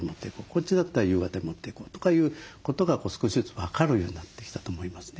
こっちだったら夕方に持っていこうとかいうことが少しずつ分かるようになってきたと思いますね。